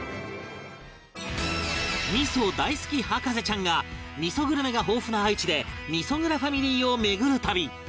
味大好き博士ちゃんが味グルメが豊富な愛知で味蔵ファミリーを巡る旅